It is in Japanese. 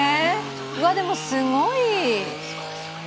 うわ、でもすごい。